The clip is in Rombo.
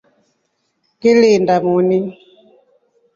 Ngilinda moni.